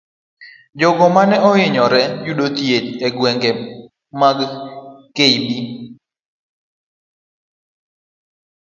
Jogo mane oinyore yudo thieth egwengego mag kb.